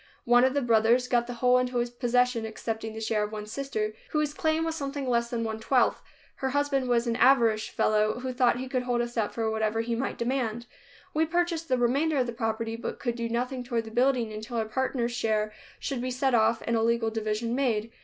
One of the brothers got the whole into his possession, excepting the share of one sister, whose claim was something less than one twelfth. Her husband was an avaricious fellow who thought he could hold us up for whatever he might demand. We purchased the remainder of the property, but could do nothing toward building until our partner's share should be set off and a legal division made.